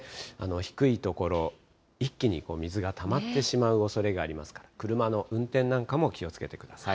低い所、一気に水がたまってしまうおそれがありますから、車の運転なんかも気をつけてください。